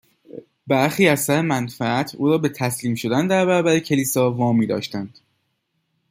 برخی از سر منفعت او را به تسلیم شدن در برابر کلیسا وا میداشتند.